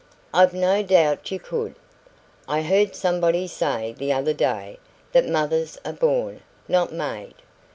"I've no doubt you could. I heard somebody say, the other day, that mothers are born, not made.